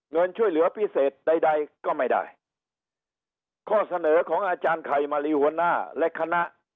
เงินช่วยเหลือพิเศษใดใดก็ไม่ได้ข้อเสนอของอาจารย์ไข่มารีหัวหน้าและคณะ